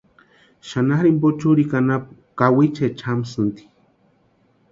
Xanharu jimpo churikwa anapu kawichaecha jamasïnti.